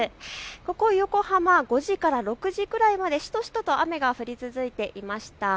ここ横浜、５時から６時くらいまでしとしとと雨が降り続いていました。